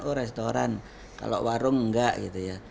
oh restoran kalau warung enggak gitu ya